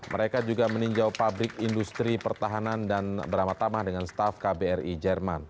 mereka juga meninjau pabrik industri pertahanan dan beramat tamah dengan staff kbri jerman